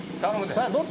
さあどっちだ？